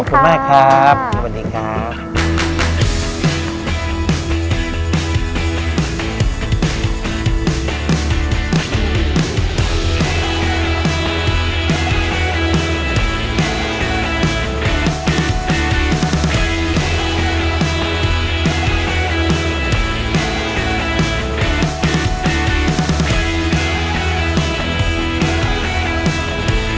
ขอบคุณมากครับสวัสดีครับ